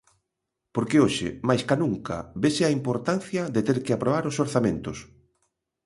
Porque hoxe máis ca nunca vese a importancia de ter que aprobar os orzamentos.